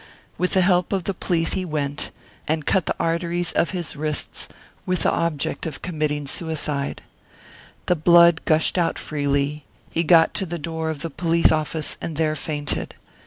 With the help of the police he went, and cut the arteries of his wrists* ... with the object of committing suicide. The blood gushed out freely; he got to the door of the police office and there fainted.